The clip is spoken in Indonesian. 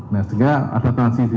sehingga ada transisi